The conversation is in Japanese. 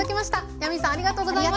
ヤミーさんありがとうございました。